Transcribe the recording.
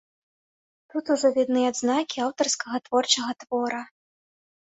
Тут ужо відны адзнакі аўтарскага творчага твора.